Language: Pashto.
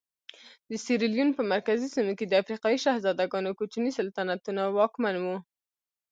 د سیریلیون په مرکزي سیمو کې د افریقایي شهزادګانو کوچني سلطنتونه واکمن وو.